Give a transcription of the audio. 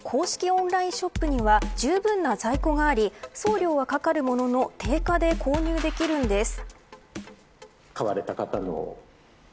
オンラインショップにはじゅうぶんな在庫があり送料はかかるものの定価で購入できるんです。